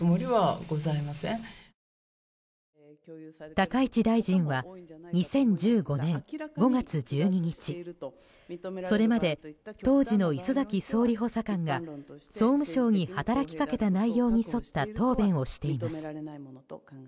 高市大臣は２０１５年５月１２日それまで当時の礒崎総理補佐官が総務省に働きかけた内容に沿った答弁をしています。